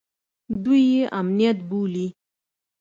دوى يې امنيت بولي.